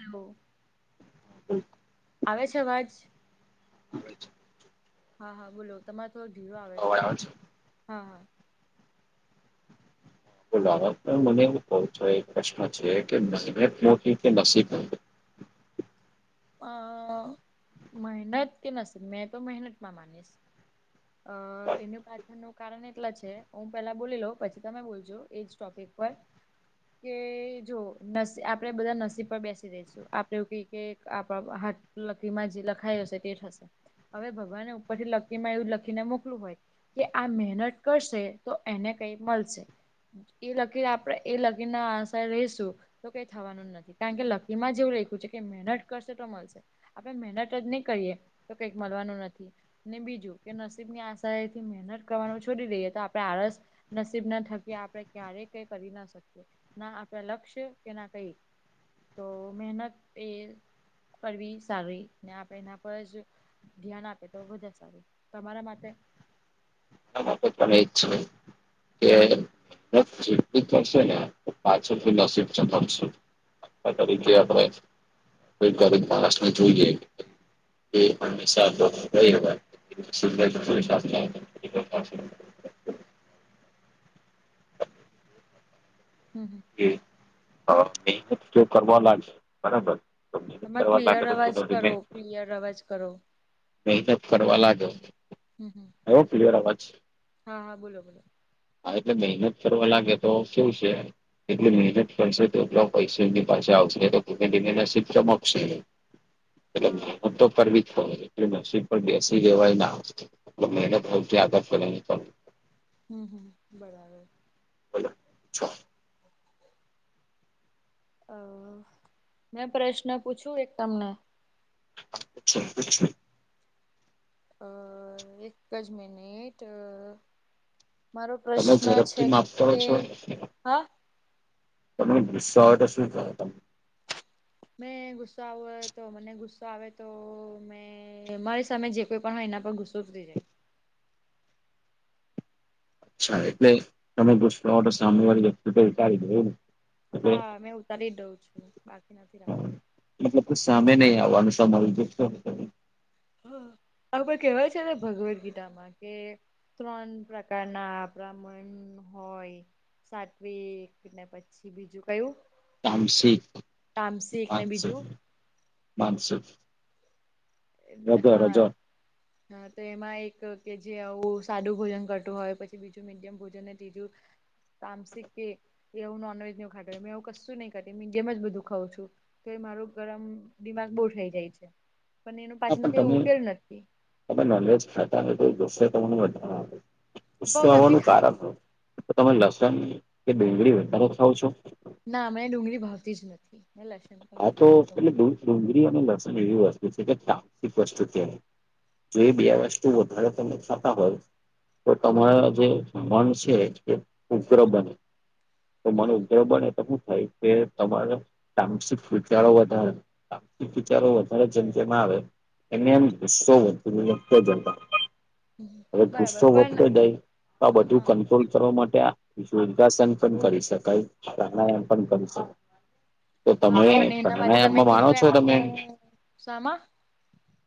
Hello હમ્મ આવે છે, અવાજ પછી હા હા બોલો તમારે થોડો ધીરો આવે છે, હા હા બોલૉ હવે પણ મને એવું કહુ છું એક પ્રશ્ન છે, કે મહેનત કે નસીબ અ મહેનત કે નસીબ મેં તો મહેનત માં માનીશ અ એનુ નું કારણ એટલા છે હું પેલા બોલી લઉ પછી તમે બોલજો એજ ટોપિક પર કે જો આપડે બધા નસીબ પર બેસી દઈસું આપડે એવું કહીયે કે આપણા હાથ લકિર માં જે લખાયુ હશે તે થશે. હવે ભગવાનને ઉપરથી લકિરમાં એવું લખીને મોકલુ હોય. કે આ મહેનત કરશે તો એને કઈ મળશે એ લકી આપડે એ લગીર ના આશાએ રહીશું તો કઈ થવાનુ નથી કારણ કે લકીર માં જ એવું લખ્યું છે, કે મહેનત કરશે તો મળશે આપડે મહેનત જ નહી કરીએ તો કઈક મળવાનું નથી. ને બીજું કે નસીબ ની આશાએથી મહેનત કરવાનું છોડી, દઈએ તો આપણે આળસ નસીબ ના થકી આપણે ક્યારેય કશું કરી ના શકીએ ના આપે લક્ષ્ય કે ના કઈ તો મહેનત એ કરવી સારી ને આપે એના પર જ ધ્યાન આપે તો વધારે સારુ તમારા માટે આમા તો તમે જ છો. કે આ જે બી કરશેને પાછળથી, નસીબ ચમકસે આ તરીકે આપણે કોઈ ગરીબ માણસને જોઈએ. એ હમેશા એ તો પોસીબલ નથી. હમ હમ એ મહેનત જો કરવા લાગે બરાબર તો મહેનત તમે કરવા લાગે ક્લિયર તો અવાજ ધીમે કરો ધીમે ક્લિયર અવાજ કરો મહેનત કરવા લાગ્યો હમ હમ થયો ક્લિયર અવાજ હા હા બોલો બોલો હા એટલે મહેનત કરવા લાગે તો કેવુ છે. એટલી મહેનત કરશે તો એટલા પૈસા એની પાસે આવશે તો ધીમે ધીમે નસીબ ચમકશે ને એ હા હું તો પર બ એટ નસીબ પણ બેસી દેવાય ના મહેનતતી આગળ કરની પણ હમ હમ બરાબર બોલો અ મેં પ્રશ્ન પૂછુ, એક તમને પૂછો પૂછો અ એક જ મનિટ અ મારો પ્રશ્ન છે ઝડપથી માફ કરો કે, છો હા- - તમને ગુસ્સો આવે તો શું કરો તમે મેં ગુસ્સો આવો તો મને ગુસ્સો આવે તો મેં મારી સામે જે કોઈ પણ હોય એના પર ગુસ્સો ઉથરી જાય [unintelligible] તને ગુસ્સો તો સામે વાળી વ્યક્તિ પર ઉતારી દે એમ- - હા મેં ઉતારી જ દઉં છું બાકી નથી રાખતી મતલબ કો સામે નહી આવવાનું [unintelligible] - - હ, આપણ કેવાય છે ને ભગવદગીતામાં કે ત્રણ પ્રકારના આપણા મન હોય, સાતવીક ને પછી બીજું કયું તામસિંક, તામસિક ને માસિક, બીજું માનસિક અ, હ રજો રજો હા, તો એમાં એક કે જે આવું સાદું ભોજન કરતું હોય પછી બીજું મીડિયમ ભોજન ત્રીજું તામસિક કે એવું નોનવેજ ને ખાતા મેં, એવું કશું નહી ખાતિ મે મીડીયમ જ બધું ખઉં છું તો મારું ગરમ દિમાગ બહુ થઈ જાય છે, પણ એનું હા પાછળનો પણ કઈ તમે ઉકેલ નથી તમે નોનવજ ખાતા હો તો ગુસ્સો તમને [unintelligible] બઉ ગુસ્સો નથી આવવાનું કારક ખાતી હુ તમે લસણ કે ડુંગરી વધારો ખાવ છો ના મેને ડુંગળી ભાવતી જ નથી પેલા થી આ તો એટલે ડુંગળી અને લસણ એવી વસ્તુ છે કે તામસિક વસ્તુ કવાય જો એ બી આ વસ્તુ વધારે તમે ખાતા હોય તો તમારા જે મન છે એ ઉગ્ર બને તો મને ઉગ્રહ બને તો શું થાય કે તમારે તામસિક વિચારો વધારે, આર્થિક વિચારો વધારે જેમજેમ આવે એને એમ ગુસ્સો [unintelligible] - - હવે બરાબર ગુસ્સો પણ વધતો જાય તો આ બધું હા કંટ્રોલ કરવા માટે આ યોગાસન પણ કરી શકાય પ્રાણાયામ પણ કરી શકાય તો હા પણ તમે એના માટે તમે પ્રણાયમમાં માણો કીધું છો એમ કે તમે હું શામાં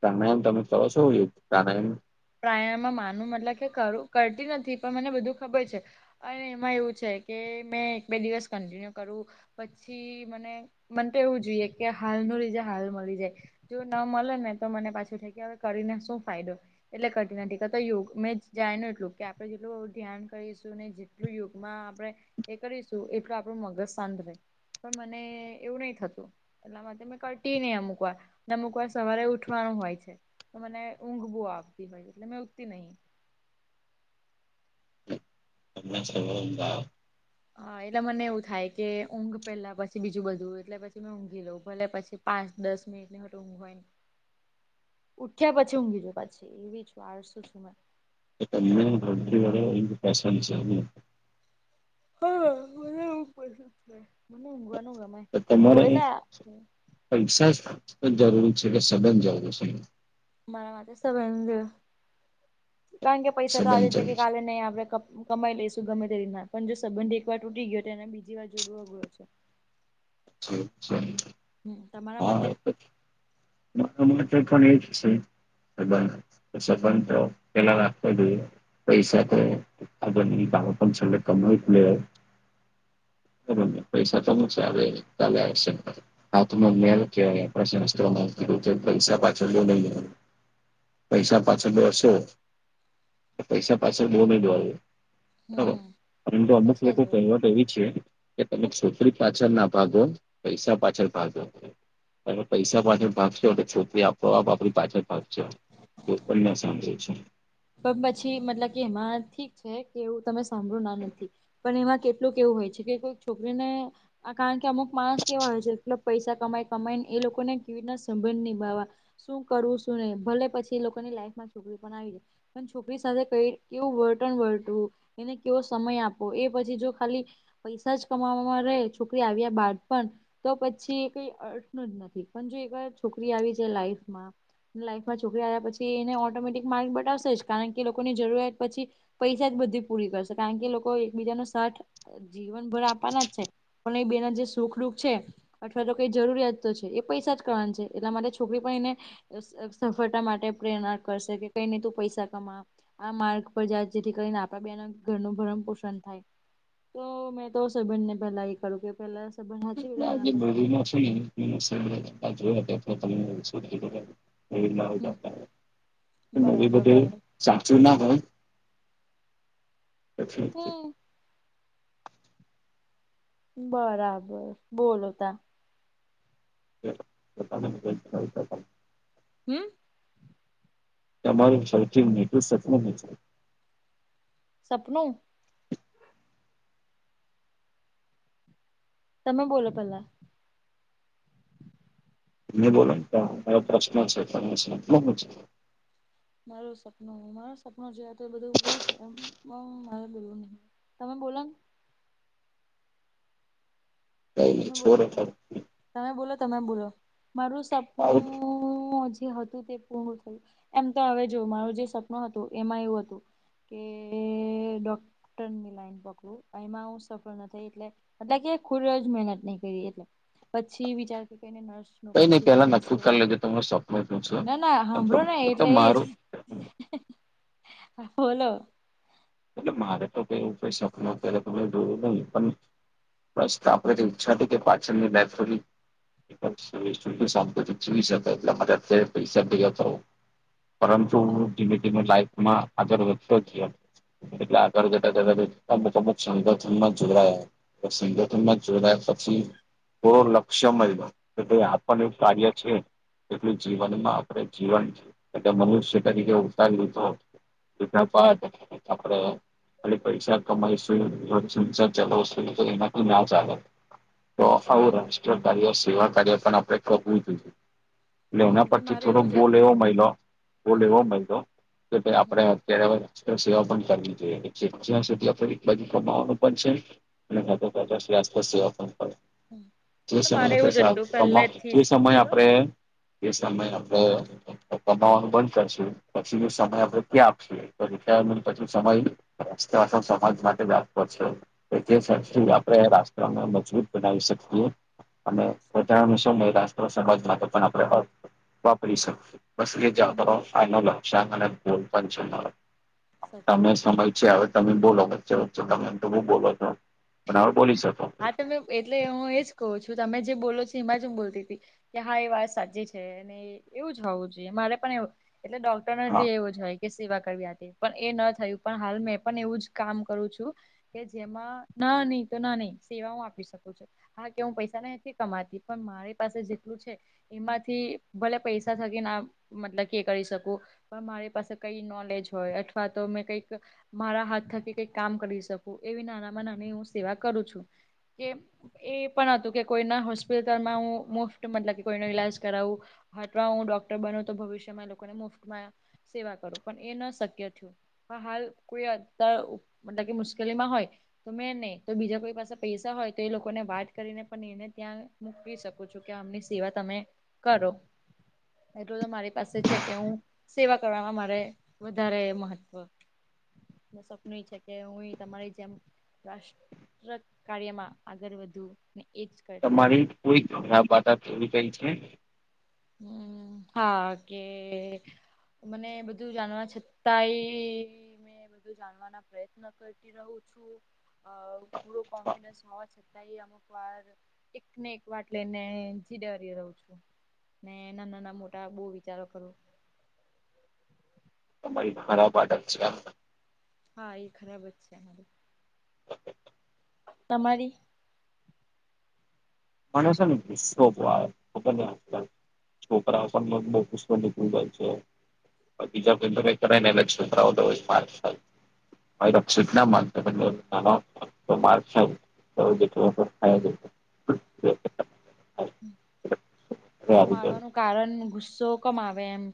તમે તમે કરો છો એવું પ્રાણાયામ પ્રાયામમાં માનુંવું મતલબ કે કરતી નથી પણ મને બધું ખબર છે અને એમાં એવું છે કે મેં એક બે દિવસ કન્ટિન્યુ કરું પછી મને મને તો એવું જોઈએ કે હાલ નુ રિઝલ્ટ હાલ મળી જાય જો ન મલે ને તો મને પાછી થઈ જાય કરીને શું ફાયદો એટલે કરતી નથી કાતો યોગ મેં જાયણૂ કે આપણે જેટલું ધ્યાન કરીશું ને જેટલું યોગમાં આપણે એ કરીશું એટલું આપણું મગજ સાંત રે, પણ મને એવું નહી થતું એટલામાં મેં કરટી ની અમુક વાર અમુક વાર સવારે ઉઠવાનું હોય છે તો મને ઊંઘ બું આવતી હોય એટલે મેં ઉઠતી નહિ એમને સવનદા હા એટલે મને એવું થાય કે ઊંઘ પેલા પછી બીજું બધું એટલે પછી મે ઊંઘી લઉં ભલે પછી પાંચ દસ મિનિટ ની હોટું ઊઘ હોય ન ઉઠ્યા પછી ઊંઘી જાઉપ પાછી એવી છું આડશું છું મેં તો તમને [unintelligible] પસંદ છે ને હા મને એવું પસંદ છે, મને ઊઘવાનું તો તમારે પૈસા જરૂરી છે કે સબંધ જરૂરી છે મારા માટે સંબંધો, કારણ કે પૈસા તો આજે સબંધ છે કે જરૂરી કાલે ની આવે હ કમાઈ લઈશુ ગમે તેરીતના પણ જો સંબંધ એકવાર તૂટી ગયો તો એને બીજી વાર જોડવો અગરો છે અ્ હમ્મ તમારા માટે હા [unintelligible] માટે પણ એ જ છે [unintelligible] સબંધ [unintelligible] પેલા રાખવો જોઈએ પૈસા તો એ [unintelligible] બબર પૈસા તો હુ ચાલે [unintelligible] હાથનો મેલ કેવાય આપણા શાસ્ત્રોમાં આવું કીધું પૈસા પાછળ [unintelligible] પૈસા પાછળ દોરશો પૈસા પાછળ બહુ ની દોરો બબર હમ્મ પરંતુ એ તો અમુક છે જ લોકો વરી કહેવત એવી છે કે તમે [unintelligible] પાછળ ના ભાગો પૈસા પાછળ ભાગો તમે પૈસા હમ્મ. પાછળ ભાગશો એ છોકરી આપ તોવાબ આપડી પાછળ ફક છે એ પણ અમે સાંભળે છે. પણ પછી મતલબ કે એમાં ઠીક છે કે એવું તમે સાંભળ્યું ના નથી પણ એમાં કે ટલું એવું હોય છે કે કોઈક છોકરીને આ કારણ કે અમુક માણસ કેવા હોય છે એકલા પૈસા કમાય કમાયને એ લોકોને કેવી રીતના સંબંધ નિભાવવા શું કરવું શું નહી ભલે પછી લોકોની લાઈફ માં છોકરી પણ આવી જાય પણ છોકરી સાથે કઈ કેવું વર્તન વર્તવું એને કેવો સમય આપવો એ પછી જો ખાલી પૈસા જ કમાવામાં રહે છોકરી આવ્યા બાદ પણ તો પછી કઈ અર્થ ન જ નથી પણ જો એકવાર છોકરી આવી છે લાઈફમાં લાઈફમાં છોકરી આવ્યા પછી એને ઓટોમેટિક માર્ગ બટાવશે જ કારણ કે એ લોકોની જરૂરિયાત પછી પૈસા જ બધી પૂરી કરશે કારણ કે લોકો એકબીજાનો સાથ જીવનભર આપવાના જ છે પણ એ બેના જે સુખ દુખ છે. અથવા તો કઈ જરૂરિયાત તો છે એ પૈસા જ કરવા છે એટલે મારી છોકરી પણ એને અસ અસ સફળતા માટે પ્રેરણા કરશે કે કઈને તું પૈસા કમા આ માર્ગ પર જા જેથી કરીને આપડા બે ના ઘરનું ભરણ પોષણ થાય. તો મેં તો સબંધ ને પેલા એ કરુ કે પેલા સંબંધ હચવી એના પછી બીજું. ત શધ લીધ [unintelligible] એ લ હમ જતા નવી બરાબર બધી બરાબર [unintelligible] સાચું ના ભત [unintelligible] હમ બરાબર બોલોતા [unintelligible] હમ તમારું સૌથી એટલું સત [unintelligible] સપનું તમે બોલો પેલા બોલોન પ્રશ્ન છે [unintelligible] મારું સપનું માર સપનું જે તો એ બધું બલું છે એ મારે બોલવું નહીં તમે બોલો કઈ નઈ તમે બોલો છોડો તમે કઈ તમે બોલો તમે બોલો મારું સપ નું હ જે હ તું પૂર્ણ થયું એમ તો હવે જો મારું જે સપનું હતું એમાં એવું હતું કે ડોક્ટર લાઈન પકડું એમાં હું સફળ ન થઈ એટલે એટલે કે ખુલ મહેનત નહી કરી એટલે પછી વિચાર કેને નર્સ નઈ [unintelligible] જેથી પેલા કરીને નક્કી સેવા કરી લેજો કરું તમારું સપનું શું ના છે ના આમ તો સાંભળો ના તો એટલે એ જ મારું બોલો એટલે મારે તો કઈવું ક શક ન અત્યારે તો દોરું નહી પણ [unintelligible] બસ આપડે ઈચ્છા હતી કે પાછળ ની લાઈફ થોડી [unintelligible] અત્યારે પૈસા ભેગા કરો પરંતુ હું ધીમે ધીમે લાઈફ માં આગળ વધતા ગ્યા એટલે આગળ જતા જ અમુક અમુક સંગઠનમાં જોડાયા પછી સંગઠનમાં જોડાયા પછી થોડો લક્ષ્ય મયલો જ કે ભાઈ આપણને કાર્ય છે. એટલું જીવનમાં આપણે જીવન એટલે મનુષ્ય તરીકે ઉતાર્યું તો [unintelligible] અને પૈસા કમાઇસુ દઘરસનહીચલાવશું તો એના તો ના ચાલે તો આવું હમ રાષ્ટ્રીય કાર્ય સેવા કાર્ય પણ આપે કરવું એટલે એના હમ તે પરથી મારે થોડો એવું જ ગોલ હતું એવો મળલો ગોલ એવો હમ મળિલો કે ભ હમ આપડે ત્યારે સેવા પણ કરવી જોઈએ જ્યાં સુધી આપ એક બાજુ કમાવાનું પણ છે તો્યાસ તોવા હમ મારે એવું જ હતું પહેલેથી જે સમયે સાંભળો આપડે એ સમય આપડો કમાવાનું બંધ કરશે પછી જો સમય આપડે ત્યાં આપશે તો ત્યાં રિટાયરમેન્ટ પછી નો સમય સમાજ માટે જ આપવો છે તો તેથી આપણે રાષ્ટ્રને મજબૂત બનાવી શકીએ અને સહી વધારણ વાત સૌ મહિલા સમાજ માટે પણ આપણે વાપરી શકીએ બસ એ હમ જતો ફનો લક્ષ્યા અને ગોલ પંચ સાચી તમે વાત સમજ્યાં હવે તમે બોલો વચ્ચે વચ્ચે તમે તો બઉ બોલો છો પણ હવે બોલી શકો હા તમે એટલે હું એજ કહું છું તમે જે બોલો છો એમાં જ હું બોલતી હતી કે હા એ વાત સાચી છે અને એવું જ હોવું જોઈએ મારે પણ એટલે ડોક્ટર હા ના એવું જ હો કે સેવા કરવી હતી પણ એ ન થયું પણ હાલ મેં પણ એવું જ કામ કરું છું કે જેમાં નાની તો નાની સેવા હું આપી શકું છું હા કે હું પૈસા નથી કમાતી પણ મારી પાસે જેટલું છે એમાંથી ભલે પૈસા થકી ના મતલબ એ કરી શકું પણ મારી પાસે કઈ નોલેજ હોય અથવા તો મેં કઈક મારા હાથ થકી કઈક કામ કરી શકું એવી નાનામાં નાની હું સેવા કરું છું કે એ પણ હતું કે કોઈના હોસ્પિટલમાં હું મુફત મતલબ કે કોઈનો ઈલાજ કરાવું અથવા હું ડોક્ટર બનો તો ભવિષ્યમાં લોકોને મુફ્તમાં સેવા કરું પણ એ ન શક્ય થયું હાલકતાર તકી મુશ્કેલીમાં હોય તમે એને ત બીજા કો પાસે પૈસા હોય તો એ લોકોને વાત કરીને પણ એને ત્યાં મૂકી શકું છું કે આમની સેવા તમે કરો એટલું તો મારી પાસે છે કે હું સેવા કરવામાં મારે વધારે મહત્વ સપનુય છે કે હું તમારી જેમ રાષ્ટ્ર કાર્યમાં આગળ વધુ એ જ કર તમારી કોઈ વાર્તા ખરાબ જેવી કઈ છે હમ હા કે મને બધું જાણવા છતાંય બધું જાણવાના પ્રયત્ન કરતી રહું છું અ પૂરો હા, કોન્ફિડન્સ હોવા છતાંય અમુક વાર એક ને એક વાટ લઈને એનથી ડરી રહું છું ને નાના નાના મોટા બહુ વિચારો કરું તમારી ખરાબ આદત છે આ હા એ ખરાબ છે [inaudible] તમારી મને છે ને ગુસ્સો બઉ આવે ખબરને તને છોકરાઓ પણ બહુ ગુસ્સો નીકલી જાય છે બીજા કો કરાય ને ઇલેક્શન મા [unintelligible] [unintelligible] [inaudible] અરે તો આવી જાય મારવાનું કારણ, ગુસ્સો કમ આવે એમ?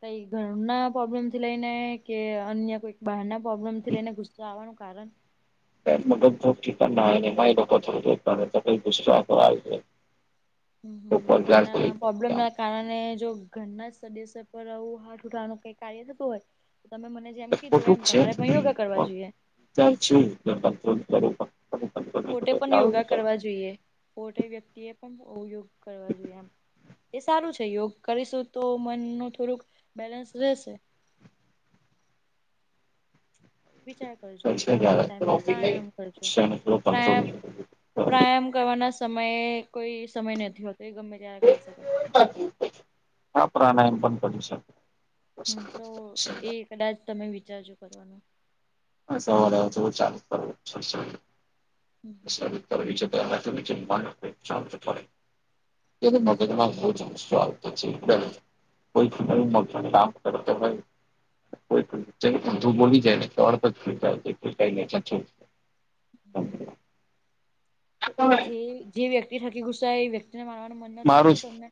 કઈ ઘરના પ્રોબ્લેમ થી લઈને, કે અન્ય કોઈક બહાર ના. પ્રોબ્લેમ થી લઈને ગુસ્સો આવવાનું કારણ [unintelligible] હમ! તો પગાર ઘરના થઈ પ્રોબ્લેમ જાય ના કારણે જો, ઘરના સદસ્ય પર આવું હાટાનું કઈ કાર્ય થતું હોય, તો તમે મને જેમ કીધું ખોટું એમ, જ છે તમારે પણ યોગા કરવા વિચાર જોઈએ. [unintelligible] તો નહીં પોતે થતો એટલે પણ આવું યોગા વિચાર કરવા જોઈએ. પોતે વ્યક્તિ એ પણ યોગ કરવા જોઈએ એમ. એ સારું છે. યોગ કરીશું તો, મનનું થોડુંક બેલેન્સ રહેશે. વિચાર પૈસા નવરા પ્રાયામ કરજો. કંટ્રોલ પ્રયામ પ્રાયામ કરવાના સમયે કોઈ સમય નથી હોતો. એ ગમે ત્યારે કરી શકાય. હા પ્રાણાયામ પણ કરી શક. હમ! તો એ કદાચ તમે વિચારજો કરવાનું. સવારે તો ચાલુ કરવું. હમ હમ. સારુ [unintelligible] [inaudible] પછી કોઈ કામ શું કરતો હોય. કોઈ ચ પણ તું બોલી જાય તો [unintelligible] [inaudible] તો એ જે જે વ્યક્તિ થકી ગુસ્સો આયો એ વ્યક્તિને મારવાનું મન નથી મારું જ થતું તમને?